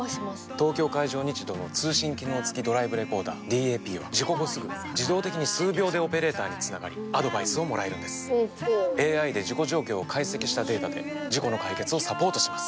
東京海上日動の通信機能付きドライブレコーダーＤＡＰは事故後すぐ自動的に数秒でオペレーターにつながりアドバイスをもらえるんですＡＩで事故状況を解析したデータで事故の解決をサポートします